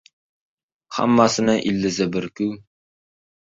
Hammasining ildizi bir-ku.